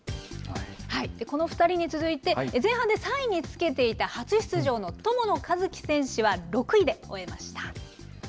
この２人に続いて、前半で３位につけていた初出場の友野一希選手は６位で終えました。